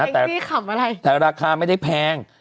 แต่ราคาไม่ได้แพง